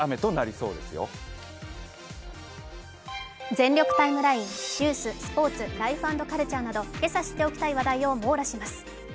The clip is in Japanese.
「全力ＴＩＭＥライン」ニュース、スポーツ、ライフ＆カルチャーなど、けさ知っておきたい話題を網羅します。